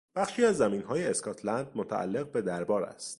بخشی از زمینهای اسکاتلند متعلق به دربار است.